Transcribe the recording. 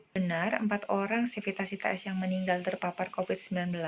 benar empat orang sifitas its yang meninggal terpapar covid sembilan belas